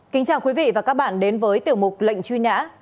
kính chào quý vị và các bạn đến với tiểu mục lệnh truy nã